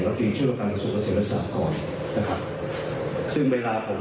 แล้วตีช่วยกับการสูงประเสริฐสรรค์ก่อนนะครับซึ่งเวลาผม